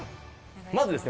まずですね